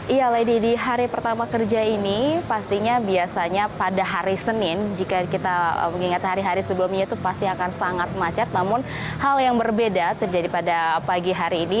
iya lady di hari pertama kerja ini pastinya biasanya pada hari senin jika kita mengingat hari hari sebelumnya itu pasti akan sangat macet namun hal yang berbeda terjadi pada pagi hari ini